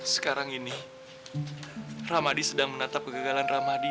sekarang ini ramadi sedang menatap kegagalan ramadi